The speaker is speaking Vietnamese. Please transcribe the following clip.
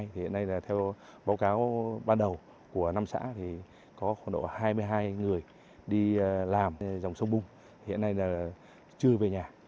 hiện nay theo báo cáo ban đầu của năm xã có khoảng hai mươi hai người đi làm dòng sông bùng hiện nay chưa về nhà